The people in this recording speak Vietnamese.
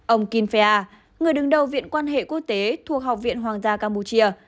ông kin phea người đứng đầu viện quan hệ quốc tế thuộc học viện hoàng gia campuchia